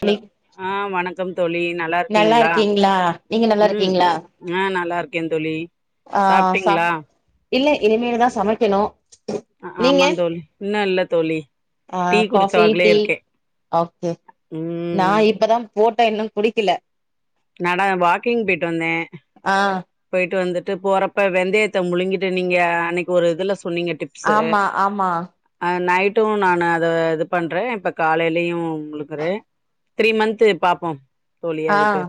Hello ழி ஆ வணக்கம் தோழி நல்லா நல்லாருக்கீங்களா இருக்கீங்களா நீங்க நல்லா இருக்கீங்களா ஆ நல்லா இருக்கேன் தோழி ஆ ச சாப்ட்டீங்களா இல்ல இனிமேல்தா சமைக்கணு நீங்க ஆமா தோழி இன்னும் இல்ல தோழி டீ குடிச்ச வாக்லே இருக்கே கே நா ம் இப்பதா போட்டேன் இன்னு குடிக்கல நட வாக்கிங் போயிட்டு வந்தே ஆ போயிட்டு வந்துட்டு போறப்ப வெந்தயத்த முழுங்கிட்டு நீங்க அன்னிக்கு ஒரு இதுல சொன்னீங்க டிப் ஆமா ஆமா அ நைட்டும் நானு அத இது பண்றேன் இப்ப காலேலயும் முழுக்குறே த்ரீ மந்த்து பாப்போம் தோழி ஆ அதுக்கு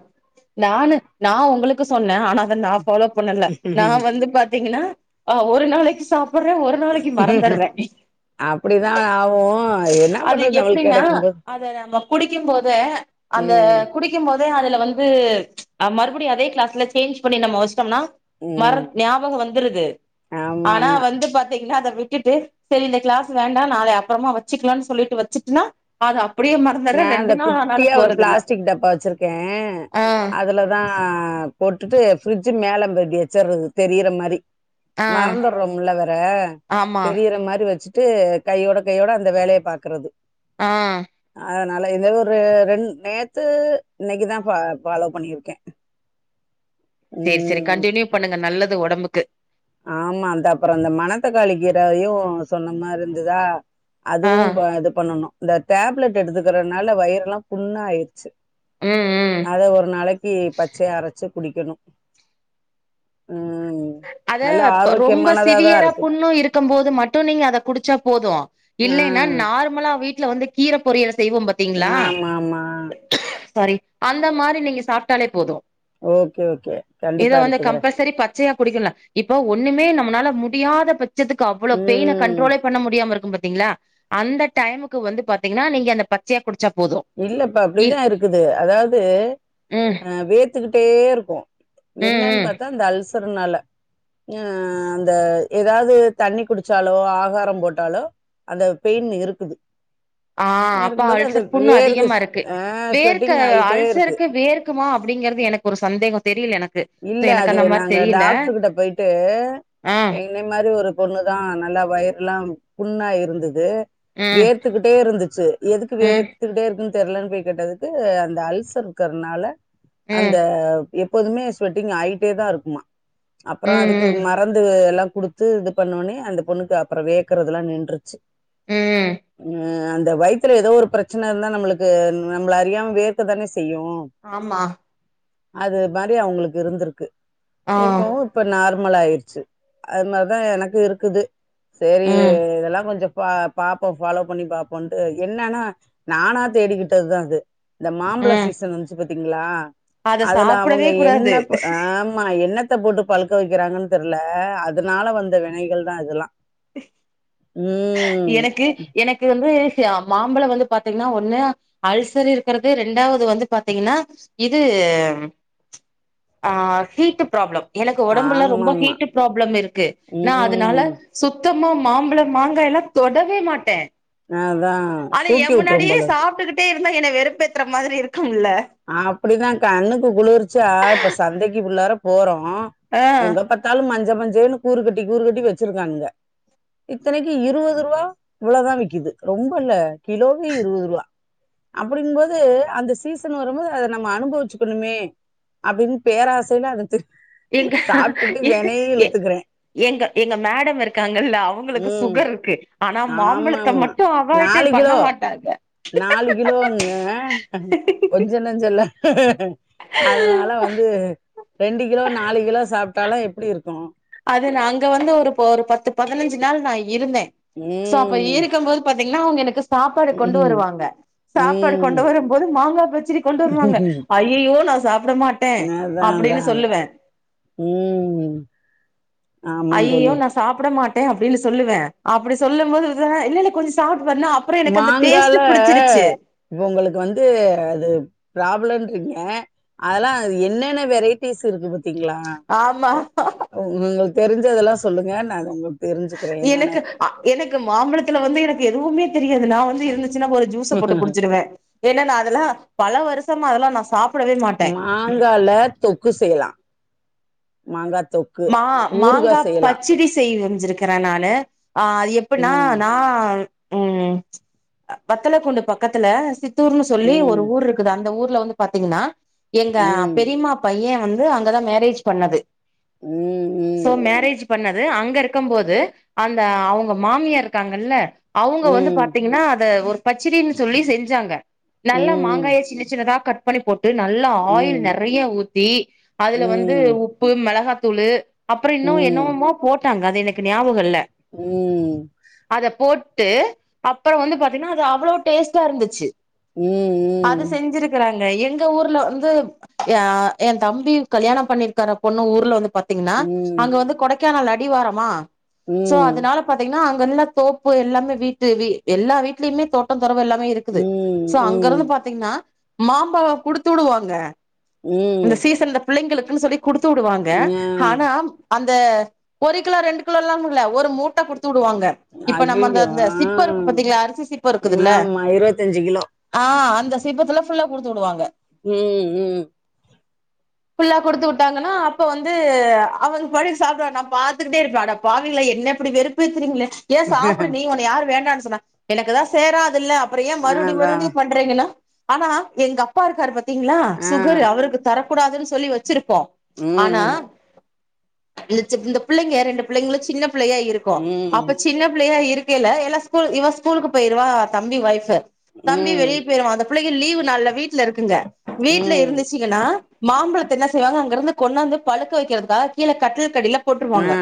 நானு நா உங்களுக்கு சொன்னே ஆனா அதை நா ஃபாலோ பண்ணல நா வந்து வந்து பாத்தீங்கன்னா ஆ ஒரு நாளைக்கு சாப்பறேன் ஒரு நாளைக்கு மறந்தர்றேன் அப்படிதா ஆவு என்ன அது பண்றது நம்மளுக்கு எப்டின்னா கெடைக்கும்போது அத நம்ம குடிக்கும் போததே அந்த ம் குடிக்கும் போதே அதுல வந்து மறுபடியும் அதே கிளாஸ்ல சேஞ்ச் பண்ணி நம்ம வச்ட்டோம்னா மர ம் ஞாபகம் வந்துருது ஆமா ஆனா ஆமா வந்து பாத்த பாத்தீங்கன்னா அத விட்டுட்டு சரி இந்த கிளாஸ் வேண்டாம் நாள அப்றமா வச்சுக்கலாம்னு சொல்லிட்டு வச்சுட்டுன்னா அது அப்டியே மறந்துற ரெண்டு நாள் அனாலு போறது இல்ல ப்ப வச்சிருக்கேன் அதுலதா போட்டுட்டு ஃப்ரிட்ஜு மேலேம் தூக்கி வச்சறது தெரியற மாரி ஆ மறந்துர்றோம்ல்ல வேற ஆமா தெரியற மாரி வச்சு ட்டு கையோட கையோட அந்த வேலயை பாக்கறது ஆ அதனால இத ஒரு ரெண் நேத்து இன்னைக்குதா பா பாலோ பண்ணிருக்கே செரி செரி ம் கண்டினியூ பண்ணுங்க நல்லது உடம்புக்கு ஆமா அந்த அப்றம் அந்த மனத்தக்காளி கீரயும் சொன்ன மாறி இந்ததா ஆ அதுவும் இது பண்ணணும் இந்த டேப்லெட் எடுத்துக்கறனால வயிற எல்லாம் புண்ணாயிடுச்சு ம் ம் அத ஒரு நாளைக்கு பச்சையா அரச்சு குடிக்கணும் ம் அத நல்ல ரொம்ப ஆரோக்கியமானதாதா சிவியரா இருக்குது புண்ணு இருக்கு போது மட்டு நீங்க அத குடிச்சா போதும் ஆ இல்லன்னா நார்மலா வீட் ல வந்து கீர பொரியல் செய்வோம் பாத்தீங்களா ஆமா ஆமா சாரி அந்த மாரி நீங்க சாப்ட்டாலே போதும் ஓகே ஓகே இத கண்டிப்பா வந்து எடுத்துக்கிறே கம்பல்சரி பத்து பச்சையா குடிக்கலா இப்ப ஒண்ணுமே நம்மளால முடியாத பட்சத்துக்கு அவ்ள பெயின ம் கண்ட்ரோல பண்ண முடியாம இருக்கும் பாத்தீங்களா அந்த டைமுக்கு வந்து பாத்தீங்கன்னா நீங்க அந்த பச்சையா குடிச்சா போது இல்லப்ப இல் அப்டிதா இருக்குது அதாவது ம் அ வேத்துக்கிட்டே இருக்கு ம் என்னன்னு ம் பாத்தா இந்த அல்சர்னால அ அந்த ஏதாவது தண்ணி குடிச்சாலோ ஆகாரம் போட்டாலோ அந்த பெயின் இருக்குது ஆ அப்ப இருக்கும்போது அந்த அல்சர் புண்ணு வேர்க்கு அதிகமா இருக்கு ஆ வேர்க ஸ்வெட்டிங் ஆயிட்டே இருக்கு அல்சருக்கு வேருக்குமா அப்டிங்கறது எனக்கு ஒரு சந்தேகம் தெரில எனக்கு சோ இல்ல எனக்கு அது அந்த மாரி நாங்க தெரில டாக்டரு கிட்ட போயிட்டு ஆ எனை மாரி ஒரு பொண்ணுதா நல்லா வயர்ல்லாம் புண்ணா இருந்தது ம் வேர்த்துக்கிட்டே இருந்துச்சு எதுக்கு வே ம் ஃபுல்டே இருக்குன்னு தெர்லன்னு போய் கேட்டதுக்கு அந்த அல்சர் இருக்கறனால அந்த ம் எப்போதுமே ஸ்வெட்டிங் ஆயிட்டே தா இருக்குமா அப்பறோ ம் அதுக்கு ம் மறந்து எல்லா குடுத் து இது பண்ணோன்னே அந்த பொண்ணுக்கு அப்பறோ வேக்கறதுலா நின்றுச்சு ம் உ ம் அந்த வயித்துல ஏதோ ஒரு பிரச்சன இருந்தா நம்மளுக்கு நம்மள அறியாம வேர்க தானே செய்யு ஆமா அது மாரி அவுங்களுக்கு இருந்திருக்கு ஆ இருக்கு இருக்கவு இப்ப நார்மல் ஆயிடுச்சி அது மாரிதா எனக்கு இருக்குது சைரி ம் இதெல்லா கொஞ்சோ பாப் பாப்போ ஃபாலோ பண்ணி பாப்போன்ட்டு என்னன்னா நானா தேடிக்கிட்டதுதா அது இந்த மாம்பழ ம் சீசன் வந்துச்சு பாத்தீங்ளா அத அதுல சாப்டவே அவுங்க கூடாது என்ன ஆமா என்னத்த போட்டு பழுக்க வெக்கிறாங்கன்னு தெரில அதனால வந்த வினைகள் தா இதெல்லா ம் எனக்கு எனக்கு வந்து மாம்பழோ வந்து பாத்தீங்கன்னா ஒன்னு அல்சர் இருக்கறது ரெண்டாவது வந்து பாத்தீங்கன்னா இது ஆ ஹீட் ப்ராப்ளம் எனக்கு ஒடம்புல ரொம்ப ஆமாமா ஹீட்டு ப்ராப்ளம் இருக்கு நா அதனால ம் சுத்தமா மாம்பழம் மாங்காயெல்லா தொடவே மாட்டே அதா ஆனா எயா தூக்கி விட்ரும் முன்னாடியே போல இருக்கு சாப்ட்டுகிட் டே இருந்தா என்ன வெறுப்பேத்றா மாரி இருக்கும்ல அப்படிதா கண்ணுக்கு குளிர்ச்சியா இப்ப சந்தைக்கு உள்ளார போறோ ஆ எங்க பாத் பத்தாலு மஞ்ச மஞ்சேன்னு கூறுக்கட்டி கூறுக்கட்டி வெச்சிருக்கானுங்க இத்தனைக்கு இருவது ரூபா இவ்ளோதா விக்குது ரொம்ப இல்ல கிலோவே இருவது ரூபா அப்டிங்கும்போது அந்த சீச சன் வரும்போது அத நம்ம அனுபவிச்சுக்கணுமே அப்டின்னு பேராசையில அத தின் எங்க எங்க எ எங்க எங்க மேடம் இருக்காங்கல்ல அவுங்களுக்கு ம் சுகர் இருக்கு ஆனா ஆமா மாம்பழத்த ஆமா மட்டு அவாயிட்டே நாலு பண்ண கிலோ மாட்டாங்க நாலு கிலோங்க கொஞ்ச நஞ்சோல்ல அதனால வந்து ரெண்டு கிலோ நாலு கிலோ சாப்டாலா எப்டி இருக்கு அது நா அங்க வந்து ஒரு ஒரு பத்து பதினஞ்சு நாள் நான் இருந்தே சோ அப்ப ம் இருக்கும் போது பாத்தீங்கன்னா அவுங்க எனக்கு சாப்பாடு கொண்டு ம் வருவாங்க சாப்பாடு ம் கொண்டு வரும்போது மாங்கா பச்சடி கொண்டு வருவாங்க ஐ அய்யய்யோ நா சாப்ட மாட்ட அதான் அப்டின்னு அதான் அதான். சொல்லுவே ம் ஆமாம் அய்யய்யோ தோழி நா சாப்புட மாட்டே அப்டின்னு சொல்லுவே அப்டி சொல்லும் போது பாத்தினா இல்லல்ல கொஞ்சோ சாப்ட்டு பாருன்னு அப் அப்றோ எனக்கு அந்த மாங்கால டேஸ்ட் புடிச்சிருச்சு இப்ப உங்களுக்கு வந்து அது ப்ராப்ளம் இன்றிங்க அதெல்லா என்னென்ன வெரைட்டிஸ் இருக்கு பாத்துக் பாத்திங்ளா ஆமா உ உங்களுக்கு தெரிஞ்சதெல்லா சொல்லுங்க நா உங்களுக்கு தெரிஞ்சு எனக்கு அ எனக்கு மாம்பழத்துல வந்து எனக்கு எதுவுமே தெரியாது நா வந்து இருந்துச்சுன்னா ஒரு ஜூச போட்டு குடிச்சிடுவே ஏன்னா அதெல்லா பல வருஷமா அதெல்லா நா சாப் மாங்கால தொக்கு செய்யலா மாங்கா தொக் மா மாங்கா பச்சிடி செய் செஞ்சிருக்குற நானு ஆ எப்பன்னா ம். நான் ம் வத்தலக்குண்டு பக்கத்துல சித்தூர்னு சொல்லி ஒரு ம். ஊர் இருக் குது அந்த ஊர்ல வந்து பாத்தீங்கன்னா எங்க ம். பெரிமா பைய வந்து அங்கதா மேரேஜ் பண்ணது ம் ம் சோ மேரேஜ் பண்ணது அங்க இருக்கும் போது அந்த அவங்க மாமியார் இருக்காங்கல்ல அவுங்க ம். வந்து ம். பாத்தீங்கன்னா அத ஒரு பச்டின்னு சொல்லி செஞ்சாங்க நல்ல ம். மாங்காய சின்ன சின்னதா கட் பண்ணி போட்டு நல்லா ஆயில் ம். நெறைய ஊத்தி அதுல வந்து உப்பு மெளகாத்தூளு அப்ரோ ம். இன்னு ம். என்னவமோ போட்டாங்க அது எனக்கு ஞாபகோல்ல ம் அத போட்டு அப்பரோ வந்து பாத்தீங்கன்னா அது அவ்ளோ டேஸ்ட்டா இருந்துச்சு அது ம். செஞ்சுருக் கறாங்க எங்க ஊர்ல வந்து ஏ என் தம்பி கல்யாணம் பண்ணிருக்கற பொண்ணு ஊர்ல வந்து திங்ன்னா ம். அங்க ம். வந்து கொடைக்கானல் அடிவாரமா சோ ம். அதுனால பாத்தீங்கன்னா அங்கெல்லா தோப்பு எல்லாமே வீட்டு வீ எல்லா வீட்லியுமே தோட்டோ தொறவு எல்லாமே இருக் க்குது ம் சோ அங்கருந்து ம் பாத்தீங்ன்னா மாம்பலோ குடுத்துடுவாங்க அந்த ம் சீசன்ல புள்ளைங்களுக்குன்னு சொல்லி குடுத்துடுவாங்க ஆ அம் அந்த ஒரு கிலோ ரெண்டு கிலோ லாம் இல்ல ஒரு மூட்ட குடுத்துடுவாங்க இப்ப நம்ம அந்த அய்யய்யோ அந்த ஆ சிப்ப இருக்கு பாத்தீங்களா அரிசி சிப்போ இருக்குதுல்ல ஆமா இருவத்தஞ்சு கிலோ ஆ அந்த சிப்பத்துலே ஃபுல்லா குடுத்துடுவாங்க ம் ம் புஃல்லா குடுத்து உட்டாங்கன்னா அப்ப வந்து து அவங்க பாட்டுக் சாப்டுவாங் நான் பாத்துக்கிட்டே இருப்ப அட பாவீங்களா என்ன இப்டி வெறுப்பேத்தறீங்ளே ஏ சாப்டு நீ உன்ன யாரு வேண்டானு சொன்னா எனக்குதா சேராதுல்ல அப்ரோ ஏ மறுபடியூ அதா மறுபடியு பண்றீங்களா ஆனா எங்க அப்பா இருக்காரு பாத்தீங்களா ஆ சுகரு அவருக்கு தரக்கூடாதுனு சொல்லி வெச்சிருப்போ ம் ம் ந்த சிப் இந்த பிள்ளைங்க ரெண்டு பிள்ளைங்களு சின்ன பிள்ளையா ம் இருக்கு சின்ன புள்ளயா இருக்கில எல்லா ஸ்கூல் இவ ஸ்கூலுக்கு போயிர்வா தம்பி ஒய்ப்பு தம்பி ம் வெளிய போயிருவா அந்த புள்ளைங்க லீவு நால்ல வீட்ல இருக்குங்க வீட்ல ம் இருந்துச்சு ச்சிகன்னா மாம்பழத்த என்ன செய்வாங்க அங்க இருந்து கொண்ணாந்து பழுக்க வைக்கறதுக்காக கீழ கட்டில் கடில ஆ போட்ருவாங்க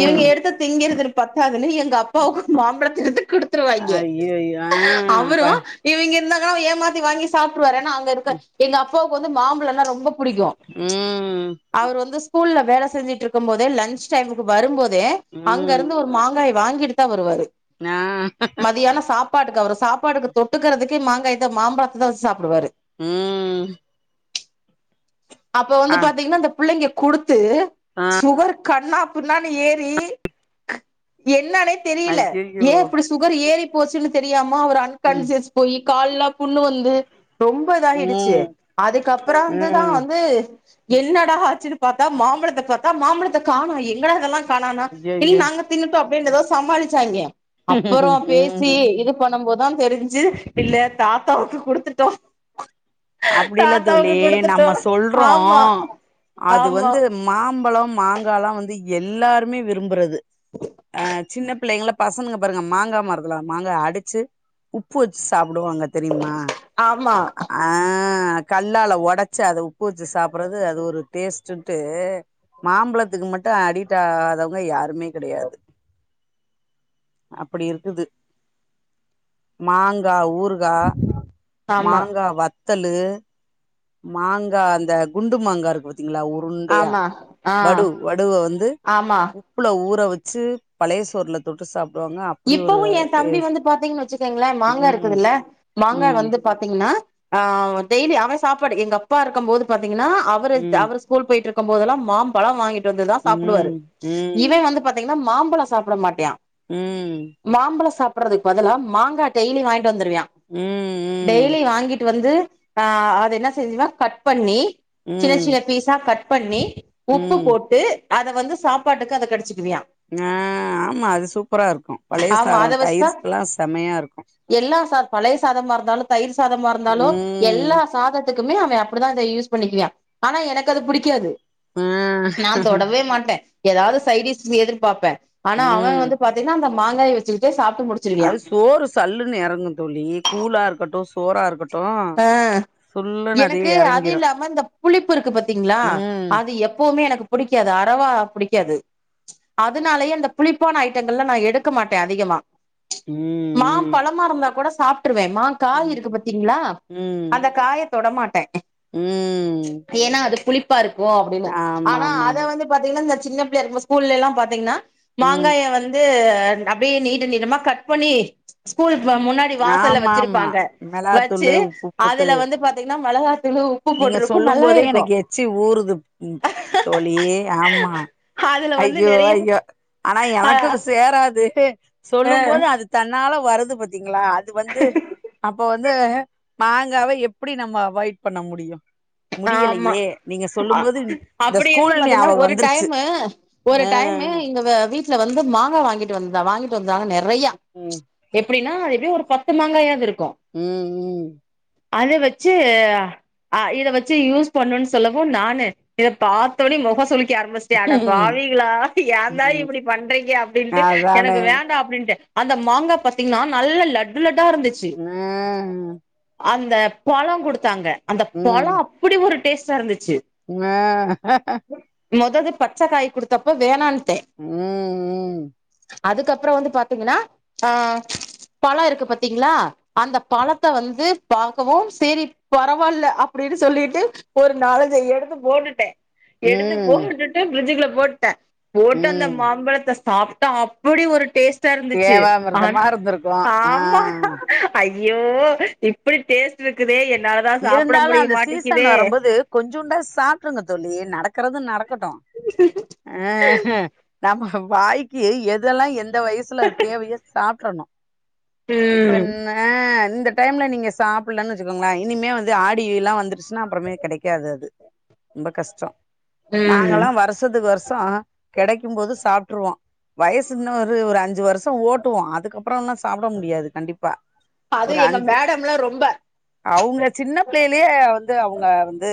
இவங்க எடுத்து திங்கிறது பத்தாதுன்னு எங்க அப்பாவுக்கு மாம்பழத்த எடுத்து குடுத் வித்துருவாய்ங்கே அய்யய்யோ ஆ ஆவுரு அப்பா இவீங்க இருந்தாங்கன்னா ஏமாத்தி வாங்கி சாப்ட்ருவாரூ ஏனா அங்க இருக்க எங்க அப்பாவுக்கு வந்து மாம்பழன்னா ரொம்ப புடிக்கு ம் அவுரு வந்து ஸ்கூல்ல வேல செஞ்சிட்ருக்கும் போதே லஞ்ச் டைமுக்கு வரும்போதே அங்க ம் இருந்து ஒரு மாங்காய வாங்கிட்டுதா வருவாரு நா மதியாநோ சாப்பாட்டுக்கு அவரு சாப்பாடுக்கு தொட்டுக்கறதுக்கு மாங்காயத்த மாம்பலத் தா சாப்டுவாரு ம் அப்போ ஆ பாத்தீங்கன்னா அந்த புள்ளைங்க குடுத்து ஆ சுகர் கண்ணாப்பின்னானு ஏறி என்னனே தெரில அய்யய்யோ ஏ இப்டி சு சுகரு ஏறி போச்சுன்னு தெரியாம அவரு ம் அன்கான்சியஸ் போய் கால்லா புண்ணு வந் து ரொம்ப இதாயிடுச்சு ம் அதுக்கப்புரோ வந்துதா ம் வந்து என்னடா ஆச்சுனு பாத்தா மாம்பழத்த பாத்தா மாம்பழத்த காநோ எங்கடா இதெல்லா கானோனா நீ அய்யய்யோ நானு தின்னுடோ அப்டி எதோ சமாளிச்சாங்க அப்பரோ பேசி ம் இது பண்ணும் போதா தெரிஞ்சு இல்ல தாத்தாவுக்கு குடுத்துட்டோ அப்டில்ல தாத்தாவுக்கு தோழி குடுத்துட்டோ நம்ம சொல்றோ ஆமா அது ஆமா வந்து மாம்பலோ மாங்காலா வந்து எல்லாருமே விரும்புறது ஆ சின்ன பிள்ளைங்கள்ள பசனுங்க பாருங்க மாங்கா மரத்தில்ல மாங்கா அடிச்சு உப்பு வெச்சு சாப்டுவாங்க தெரியுமா ஆமா ஆ கல்லால ஓடச் சி அதஉப்பு வெச்சு சாப்பறது அது ஒரு டேஸ்டுன்டூ மாம்பழத்துக்கு மட்டு அடிட் ஆகாதவங்க யாருமே கெடையாது அப்படி இருக்குது மாங்கா ஊரு கா ஆமா மாங்க வத் தலு மாங்கா அந்த குண்டு மாங்கா இருக்கு பாத்தீங்ளா உ ருண்டையா ஆமா ஆ வடு வடுவ வந்து ஆமா உப் புல ஊற வெச்சு பழைய சோர்ல தொட்டு சாப்டுவாங்க அப் இப்பவு என் தம்பி வந்து பாத்தீங்கன் வச்சுக்கோங்களே மாங்கா ம் இருக்குதுல்ல மாங்கா ம் வந்து பாத்தீங்கன்னா ஆ டெய்லி அவன் சாப்பாடு எங்கப்பா இருக்கும் போது பாத்தீங்கன்னா அவரு ம் அவரு ஸ்கூல் போயிட்டு இருக்கம் போதல்லா மாம்பழம் வாங்கிட்டு வந்துதா சாப்புடுவாரு ம் ம் ம் இவன் வந்து பாத் பாத்திங்கன்னா மாம்பழம் சாப்பிட மாட்யா ம் மாம்பழம் சாப்பட்றதுக்கு பதிலா மாங்கா டெய்லி வாங்கிட்டு வந்துருவியா ம் டெய்லி வாங்கிட்டு வந்து ஆ அத என்ன செஞ்சுனா கட் பண்ணி சின்னச் ம் சின்ன பீஸா கட் பண்ணி உப்புப் ம் போட்டு அத வந்து சாப்பாட்டுக்கு அத கடிச்சிக்குவியா ஆ ஆமா அது சூப்பரா இருக்கு பழைய ஆமா அத சாரம் வச்சுதான் தயிர்க்கெல்லா செமையா இருக்கு எல்லா சா பழைய சாதமா இருந்தாலு தயிர் சாதமா இருந்தாலு ம் எல்லா சாதத்துக்குமே அவே அப்படிதா அத யூஸ் பண்ணிக்குவியா ஆனா எனக்கு அது புடிக்காது ஆ நா தொடவே மாட்டே ஏதாவது சைடிஸ் எதிர்பாப்பே ஆனா அவன் ம் வந்து பாத் தீங்கனா அந்த மாங்காய வச்சுக்கிட்டே சாப்ட்டு முடி அது சோறு சல்லுன்னு எறங்கு தோழி கூழா இருக்கட்டு சோறா இருக்கட் ஆ எனக்கு அது எறங்கிரு இல்லாம இந்த புளிப்பு இருக்கு பாத்தீங்களா ம் அது எப்பவுமே எனக்குப் புடிக்காது அறவா புடிக்காது அதனாலயே அந்த புளிப்பான ஐட்டங்கள்ளா நா எடுக்க மாட்டே அதிகமா ம் மாம்பழமா இருந்தா கூட சாப்ட்டுருவே மாங்காய் ம் இருக்கு பாத்தீங்ளா ம் ம் அந்தக் காயத் தொடமாட்டே ம் ஏனா அது புளிப்பா இருக்கு அப்புடின்னு ஆமா ஆனா ஆமா அத ஆமா வந்துட் பாத்தீங்னா இந்த சின்னப் பிள்ளையா இருக்கு போது ஸ்கூல்லெல்லா பாத்தீங்னா ம் மாங்காய வந் து அப்டியே நீட்ட நீட்டமா கட் பண்ணி ஸ்கூல்க்கு முன்னாடி வாசல்ல ஆமா ஆமா வெச்சிருப்பாங்க வச்சு மெளாத்தூளு உப்பு போட்டு அதுல வந்து பாத்தீங்ன்னா மெளகாத்தூளு உப் நீங்க சொல்லும் போதே எனக்கு எச்சி ஊறுது தோழி ஆமா அதுல வந்து ஐய்யோ நெறைய ஐய்யோ ஆனா ஆ எனக்கு சேராது ஆ சொல்லும் போது அது தன்னால வருது பாத்தீங்ளா அது வந்து அப்ப வந்து மாங்காவ எப்பிடி நம்ம அவாய்ட் பண்ண முடியு ஆமா முடியலையே நீங்க அ சொல்லும் போது இந்த அப்படி இருந்து ஸ்கூல் பாத்தீன்னா ஞாபகோ ஒரு வந்துருச்சு டைமு ஒரு ஆ டைமு இங்க வ வீட்டுல வந்து மாங்கா வாங்கிட்டு வந்தா வாங்கிட்டு வந்தாங்க நெறையா ம் எப்டின்னா அது எப்டியு ஒரு பத்து மாங்காயாது இருக்கு ம் ம் அத வச்சு அ இத வச் சு யூஸ் பண்ணுனு சொல்லவு நானு இத பாத்தோனே மொக சுளிக் க ஆரம்பிஸ்ட்டே அடப் ம் பாவிகளா ஏந்தா ம் இப்டி பண்றீங்க அப்டின்ட்டு அதானே எனக்கு வேண்டா அப்டின்ட்டே அந்த மாங்கா பாத்தீங்கன்னா நல்லா லட்டு லட்டா இருந்துச்சு ஆ அந்தப் பழொ குடுத்தாங்க அந்தப் ம் பழொ அப்டி ஒரு டேஸ்டா இருந்துச்சு ஆ மொதது பச்சக் காய் குடுத்தப்ப வேணான்ட்டே ம் ம் அதுக்கப்பறோ வந்து பாத்தீங்கன்னா ஆ பழொ இருக்கு பாத்தீங்களா அந்தப் பழத்த வந்து பாக்கவு சேரி பரவால்ல அப்டினு சொல்லி டு ஒரு நாலஞ்ச எடுத்து போட்டுட்டே எடுத்து ம் போட்டுட்டு ஃபிரிட்ஜுக்குள்ள போட்டே போட்டு அந்த ம் மாம்பழத்த சாப்ட்டா அப்புடி ஒரு டேஸ் டா இருந்துச்சு ஆனா தேவாமிர்தமா இருந்திருக்கு ஆ ஆமா ஐய்யோ இப்டி டேஸ்ட் இருக்குதே என்னால தா சாப்ட இருந்தாலு அந்த முடியமாட்டிங் சீசன் வரம்போது கொஞ்சுண்டாவது சாப்ட்ருங்க தோழி நடக்கறது நடக்கட்டு அ நம்ம வாய்க்கி எதெல்லா எந் இந்த வயசுல அது தேவையு சாப்ட்றணு ம் பண்ண இந்த டைம்ல நீங்க சாப்பில்லன்னு வச்சுக்கோங்களே இனிமே வந்து ஆடி இல்லா வந்து கிஸ்னாபுறமே கெடைக்காது அது ரொம்ப கஷ்டோ ம் நாங்களா வரு வர்ஷத்துக்கு வர்ஷோ கெடைக்கும்போது சாப்ட்ருவோ வயசு உன்னோ ஒரு ஒரு அஞ்சு வருஷோ ஓட்டுவோ அதுக்கப்பறோ எல்லா சாப்ட முடியாது கண்டிப்பா அது எங்க மேடம்லா ரொம்ப அவுங்க சின்ன பிள்ளேலயே வந்து அவுங்க வந்து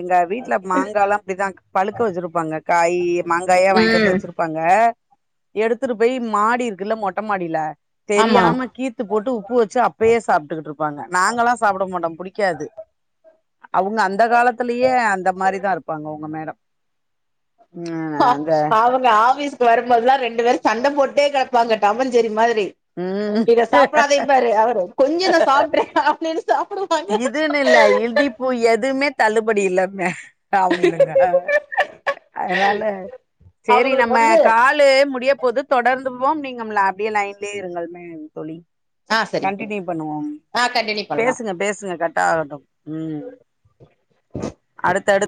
எங்க வீட்ல மாங்கால்லா அப்டிதா பழுக்க வச்சுருப்பாங்க காயி மாங்காயா வாங்கிட்டு வந்து ம் வச்சுருப் பாங்க எடுத்துட்டு போயி மாடி இருக்குல்ல மொட்ட மாடில ஆமா தெரியாம கீ்த் து போட்டு உப்பு வச்சு அப்பயே சாப்ட்டுகிட்டு இருப்பாங்க நாங்கல்லா சாப்ட மாட்டோ புடிக்காது அவுங்க அந்த காலத்லயே அந்த மாரி தா இருப்பாங்க உங்க மேடம் ம் அந்த அவுங்க ஆஃபீஸ்க்கு வரும்போதல்லா ரெண்டு பேரு சண்ட போட்டே கெடப்பாங்க டாமன்சேரி மாதிரி இத ம் சாப்புடாதேம்பாரு அவரு கொஞ்சொ நா சாப்ட்றே அப்டின்னு சாப்புடு இதுன்னு இல்ல இழிப்பு எதுமே தள்ளுபடி இல்ல மே பாவமிங்க அ அதுனால சேரி அவங்களுக்கு நம்ம வந்து காலு முடியப் போது தொடர்ந்துவோம் நீங்கம்லா அப்டியே லைன்லயே இருங்கள் மே தோழி ஆ சரிங்க கன்டினியூ பண்ணுவோம் ஆ கண்டினியூ பண்லா பேசுங்க பேஸ் சுங்க கட் ஆகட்டு ம் அடுத்தடுத்